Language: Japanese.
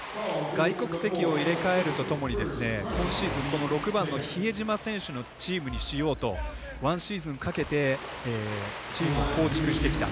外国籍を入れ替えるとともに今シーズン６番の比江島選手のチームにしようと１シーズンかけてチームを構築してきた。